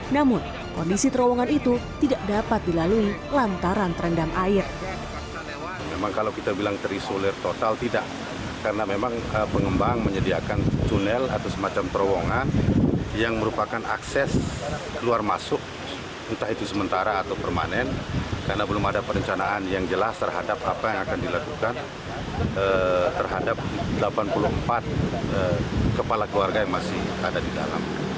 namun kondisi terowongan itu tidak dapat dilalui lantaran terendam air